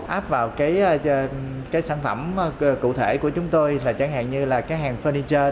áp vào cái sản phẩm cụ thể của chúng tôi chẳng hạn như là cái hàng furniture